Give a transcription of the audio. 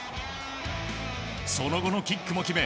その後のキックも決め